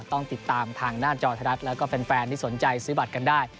ต้องติดตามทางหน้าจอไทยรัฐแล้วก็แฟนที่สนใจซื้อบัตรกันได้